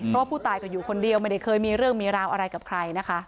เพราะว่าผู้ตายก็อยู่คนเดียวไม่ได้เคยมีเรื่องมีราวอะไรกับใครนะคะ